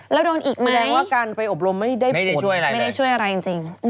แล้วโดนอีกแสดงว่าการไปอบรมไม่ได้ช่วยอะไรจริง